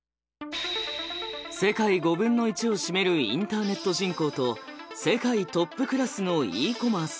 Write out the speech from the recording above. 世界５分の１を占めるインターネット人口と世界トップクラスのＥコマース。